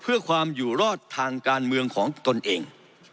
เพื่อความอยู่รอดทางการเมืองของตนเอง